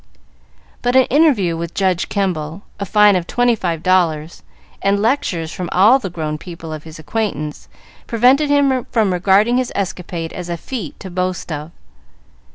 But an interview with Judge Kemble, a fine of twenty five dollars, and lectures from all the grown people of his acquaintance, prevented him from regarding his escapade as a feat to boast of.